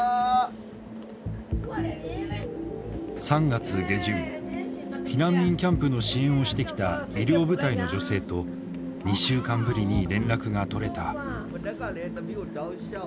３月下旬避難民キャンプの支援をしてきた医療部隊の女性と２週間ぶりに連絡が取れた。